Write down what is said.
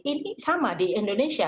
ini sama di indonesia